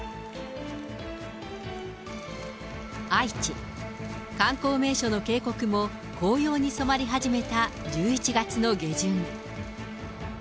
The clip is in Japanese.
愛知、観光名所の渓谷も、紅葉に染まり始めた１１月の下旬。